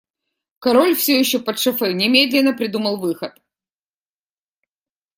Король, все еще подшофе, немедленно придумал выход.